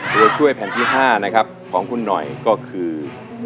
ตัวช่วยแผ่นที่๕นะครับของคุณหน่อยก็คือ